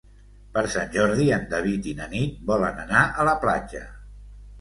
Per Sant Jordi en David i na Nit volen anar a la platja.